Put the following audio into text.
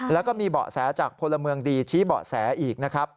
แล้วก็มีเบาะแสจากพลเมืองดีชี้เบาะแสอีกนะครับ